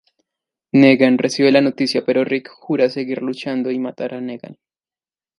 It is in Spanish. Negan recibe la noticia, pero Rick jura seguir luchando y matar a Negan.